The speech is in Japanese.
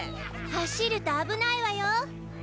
走ると危ないわよ。